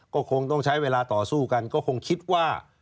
ก็คงต้องใช้เวลาต่อสู้กันก็คงคิดว่า